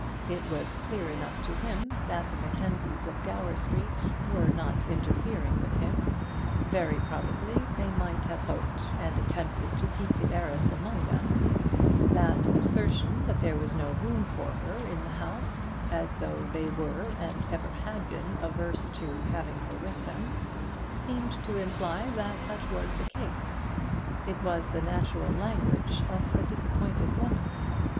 It was clear enough to him that the Mackenzies of Gower Street were not interfering with him; very probably they might have hoped and attempted to keep the heiress among them; that assertion that there was no room for her in the house as though they were and ever had been averse to having her with them seemed to imply that such was the case. It was the natural language of a disappointed woman.